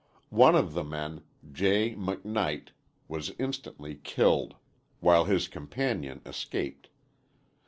One of the men, J. McKnight, was instantly killed, while his companion escaped.